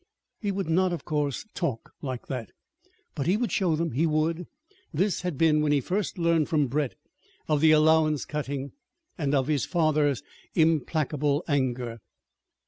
He would not, of course, talk like that. But he would show them. He would! This had been when he first learned from Brett of the allowance cutting, and of his father's implacable anger.